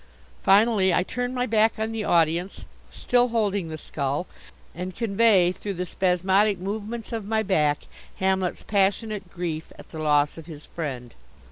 Finally I turn my back on the audience, still holding the skull, and convey through the spasmodic movements of my back Hamlet's passionate grief at the loss of his friend."